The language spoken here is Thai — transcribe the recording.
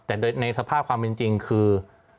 แต่ในสภาพความเป็นจริงคือ